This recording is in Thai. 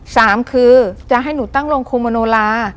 สามคือจะให้หนูตั้งโรงโคมโนลา